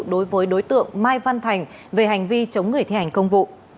đối với đối tượng mai văn thành về hành vi chống người thi hành công vụ